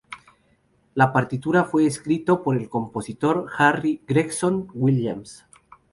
Las partitura fue escrito por el compositor Harry Gregson-Williams.